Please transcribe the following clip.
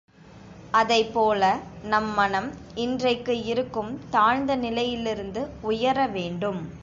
அதைப் போல நம் மனம் இன்றைக்கு இருக்கும் தாழ்ந்த நிலையிலிருந்து உயர வேண்டும்.